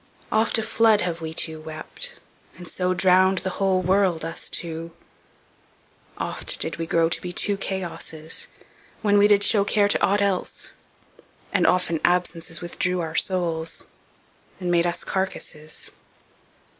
Oft a flood Have wee two wept, and so Drownd the whole world, us two; oft did we grow To be two Chaosses, when we did show Care to ought else; and often absences Withdrew our soules, and made us carcasses.